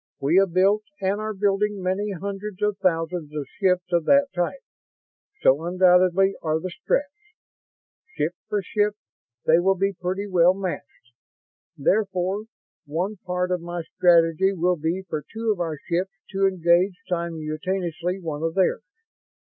We have built and are building many hundreds of thousands of ships of that type. So, undoubtedly, are the Stretts. Ship for ship, they will be pretty well matched. Therefore one part of my strategy will be for two of our ships to engage simultaneously one of theirs.